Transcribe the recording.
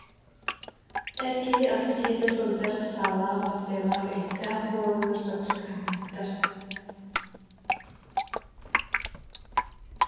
Эр киһи аты сиэтэ сылдьар, саалаах, батыйалаах, иһиттээх буоланнар соччо кыһамматтар